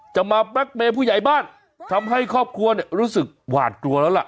จะมาแบล็กเมย์ผู้ใหญ่บ้านทำให้ครอบครัวเนี่ยรู้สึกหวาดกลัวแล้วล่ะ